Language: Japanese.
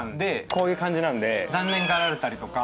こういう感じなんで残念がられたりとか。